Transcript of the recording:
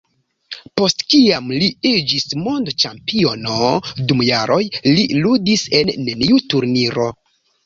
Post kiam li iĝis mondĉampiono, dum jaroj li ludis en neniu turniro.